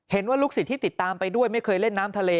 ลูกศิษย์ที่ติดตามไปด้วยไม่เคยเล่นน้ำทะเล